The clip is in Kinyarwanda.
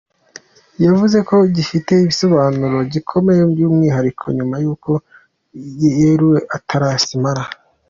Yavuze ko gifite igisobanuro gikomeye by’umwihariko nyuma y’uko yeguriwe Atlas Mara.